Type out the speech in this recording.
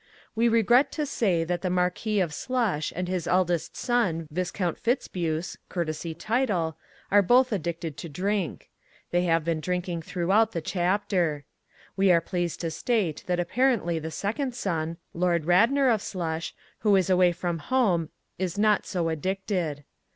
We regret to say that the Marquis of Slush and his eldest son Viscount Fitzbuse (courtesy title) are both addicted to drink. They have been drinking throughout the chapter. We are pleased to state that apparently the second son, Lord Radnor of Slush, who is away from home is not so addicted.